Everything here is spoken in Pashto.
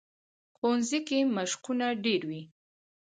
ښوونځی کې مشقونه ډېر وي